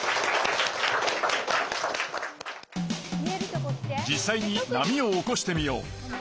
実さいに波を起こしてみよう。